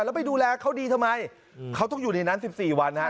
แล้วไปดูแลเขาดีทำไมเขาต้องอยู่ในนั้น๑๔วันฮะ